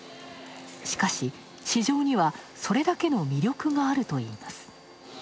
しかし、市場にはそれだけの魅力があるといいます。